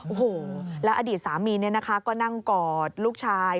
โอ้โหแล้วอดีตสามีก็นั่งกอดลูกชาย